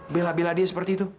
bela bela dia seperti itu